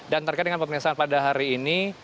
dan terkait dengan pemerintahan pada hari ini